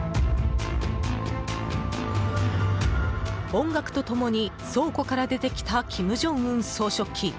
音楽と共に倉庫から出てきた金正恩総書記。